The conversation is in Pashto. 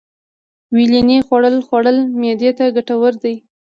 ویلنی خوړل خوړل معدې ته گټور دي.